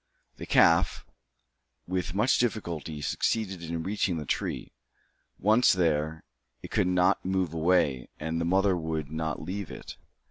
The calf, with much difficulty, succeeded in reaching the tree. Once there, it could not move away, and the mother would not leave it.